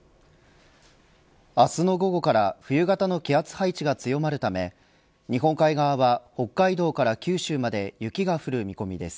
明日の午後から冬型の気圧配置が強まるため日本海側は北海道から九州まで雪が降る見込みです。